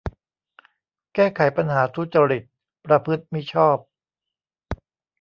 แก้ไขปัญหาทุจริต ประพฤติมิชอบ